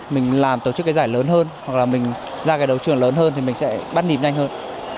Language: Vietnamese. mình làm tổ chức cái giải lớn hơn hoặc là mình ra cái đấu trường lớn hơn thì mình sẽ bắt nhịp nhanh hơn